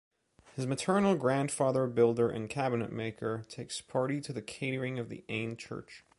His maternal grandfather, builder and cabinetmaker, takes party to the catering of the Ain church.